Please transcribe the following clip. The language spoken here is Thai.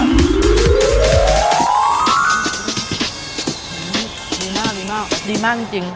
ดีมากดีมากจริง